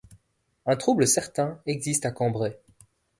Un trouble certain existe à Cambrai.